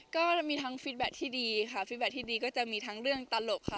ก็มีทั้งฟิตแบตที่ดีค่ะฟิตแท็ที่ดีก็จะมีทั้งเรื่องตลกค่ะ